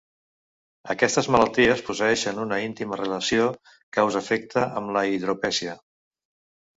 Aquestes malalties posseeixen una íntima relació causa-efecte amb la hidropesia.